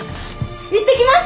いってきます！